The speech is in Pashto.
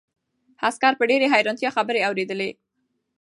عسکر په ډېرې حیرانتیا خبرې اورېدلې.